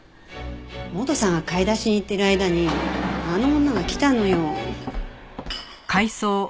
元さんが買い出しに行ってる間にあの女が来たのよ。